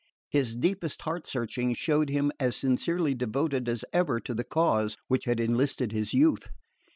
His deepest heart searchings showed him as sincerely devoted as ever to the cause which had enlisted his youth.